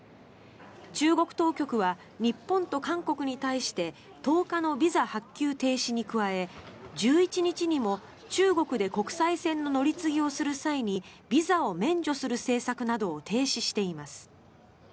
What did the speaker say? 中国当局は日本と韓国に対して１０日のビザ発給停止に加え１１日にも中国で国際線の乗り継ぎをする際にビザを免除する政策などを停止しています。